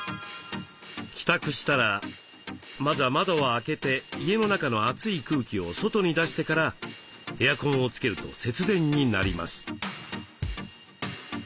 帰宅したらまずは窓を開けて家の中の暑い空気を外に出してからエアコンをつけると節電になります。